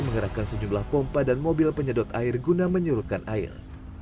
mengerahkan sejumlah pompa dan mobil penyedot air guna menyurutkan air